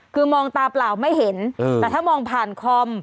คือมองตาเปล่าไม่เห็นแต่ถ้ามองผ่านคอม